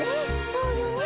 そうよね。